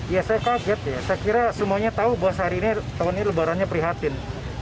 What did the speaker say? ya saya kaget ya saya kira semuanya tahu bahwa sehari ini tahun ini lebarannya prihatin